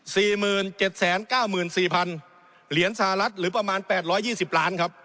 สี่หมื่นเจ็ดแสนเก้าหมื่นสี่พันเหรียญสหรัฐหรือประมาณแปดร้อยยี่สิบล้านครับ